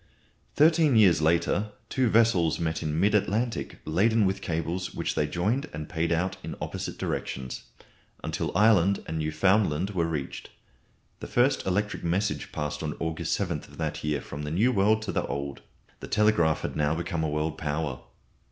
Thirteen years later two vessels met in mid Atlantic laden with cables which they joined and paid out in opposite directions, till Ireland and Newfoundland were reached. The first electric message passed on August 7th of that year from the New World to the Old. The telegraph had now become a world power.